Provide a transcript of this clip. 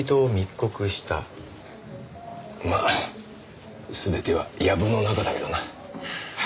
まあ全ては藪の中だけどな。